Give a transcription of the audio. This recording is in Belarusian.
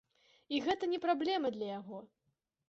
І гэта не праблема для яго.